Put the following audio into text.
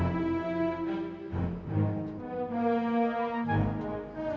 mama jangan marah marah dong